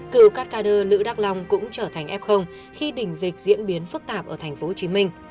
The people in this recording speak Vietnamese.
cựu cát cà đơ lữ đắc long cũng trở thành f khi đỉnh dịch diễn biến phức tạp ở tp hcm